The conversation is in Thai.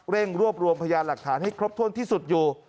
รวบรวมพยานหลักฐานให้ครบถ้วนที่สุดอยู่